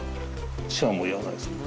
しゃーも言わないですね。